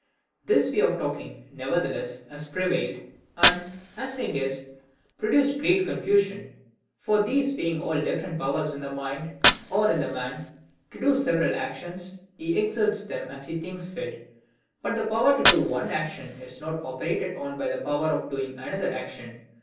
This way of talking, nevertheless, has prevailed, and, as I guess, produced great confusion. For these being all different powers in the mind, or in the man, to do several actions, he exerts them as he thinks fit: but the power to do one action is not operated on by the power of doing another action.